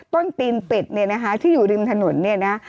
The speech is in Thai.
ต้นตีนเป็ดที่อยู่ดึงถนน